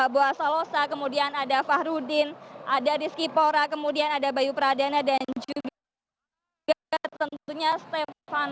buasolosa kemudian ada fahruddin ada rizki pora kemudian ada bayu pradana dan juga tentunya stefan